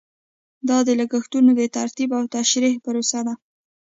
دا د لګښتونو د ترتیب او تشریح پروسه ده.